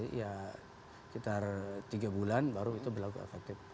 ya sekitar tiga bulan baru itu berlaku efektif